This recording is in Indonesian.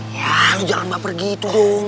ya lo jangan baper gitu dong